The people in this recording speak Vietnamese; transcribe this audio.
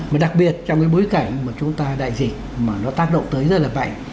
mà đặc biệt trong cái bối cảnh mà chúng ta đại dịch mà nó tác động tới rất là mạnh